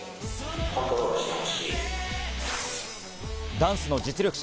ダンスの実力者。